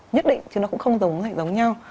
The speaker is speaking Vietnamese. nhất định chứ nó cũng không giống nhau